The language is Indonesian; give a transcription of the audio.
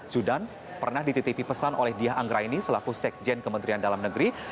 zudan pernah dititipi pesan oleh diah anggraini selaku sekjen kementerian dalam negeri